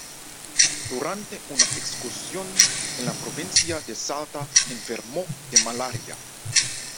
Durante una excursión en la provincia de Salta enfermó de malaria.